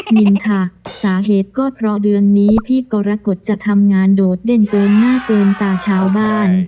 มินค่ะสาเหตุก็เพราะเดือนนี้พี่กรกฎจะทำงานโดดเด่นเกินหน้าเติมตาชาวบ้าน